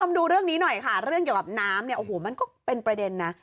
ดูเรื่องนี้หน่อยค่ะเรื่องเกี่ยวกับน้ำเนี่ยโอ้โหมันก็เป็นประเด็นนะ